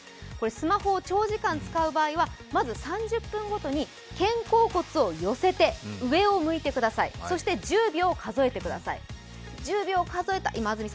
スマホを長時間使う場合は３０分ごとに肩甲骨を寄せて上を向いてくださいそして１０秒数えてください。